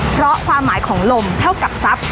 เพราะความหมายของลมเท่ากับทรัพย